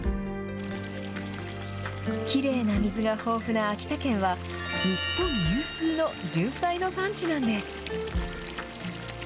きれいな水が豊富な秋田県は、日本有数のじゅんさいの産地なんです。